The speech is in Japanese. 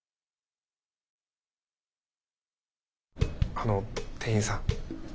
あの店員さん。